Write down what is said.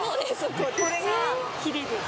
これがヒレです